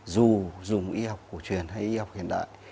dù dùng y học cổ truyền hay y học hiện đại